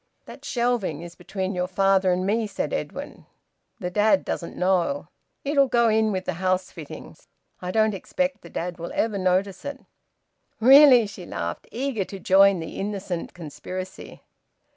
"That shelving is between your father and me," said Edwin. "The dad doesn't know. It'll go in with the house fittings. I don't expect the dad will ever notice it." "Really!" She laughed, eager to join the innocent conspiracy.